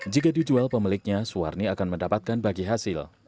jika dijual pemiliknya suwarni akan mendapatkan bagi hasil